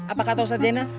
apakah tau saja ini